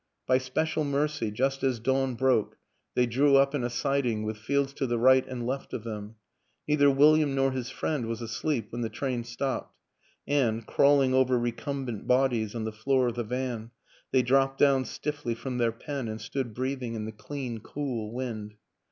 By special mercy, just as dawn broke they drew up in a siding with fields to the right and left of them; neither William nor his friend was asleep when the train stopped, and, crawling over recumbent bodies on the floor of the van, they dropped down stiffly from their pen and stood breathing in the clean, cool wind.